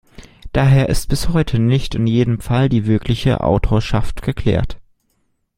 Daher ist bis heute nicht in jedem Fall die wirkliche Autorschaft geklärt.